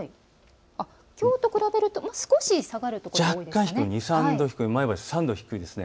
きょうと比べると少し下がるところが多いんですね。